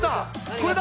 これだ。